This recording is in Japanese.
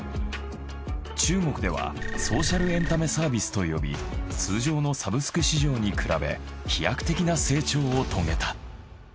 中国ではソーシャルエンタメサービスと呼び通常のサブスク市場に比べ飛躍的な成長を遂げた。